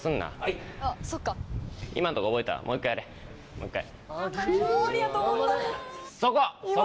もう１回。